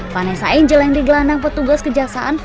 vanessa angel yang digelandang petugas kejaksaan